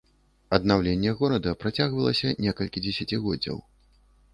Аднаўленне горада працягвалася некалькі дзесяцігоддзяў.